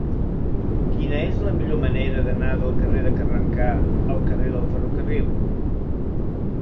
Quina és la millor manera d'anar del carrer de Carrencà al carrer del Ferrocarril?